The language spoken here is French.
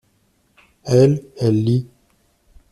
Elle, elle lit.